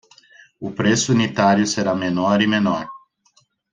O preço unitário será menor e menor